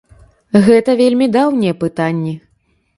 Гэта вельмі даўнія пытанні.